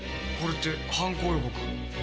これって犯行予告？